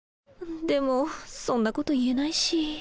でもそんなこと言えないし。